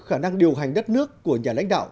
khả năng điều hành đất nước của nhà lãnh đạo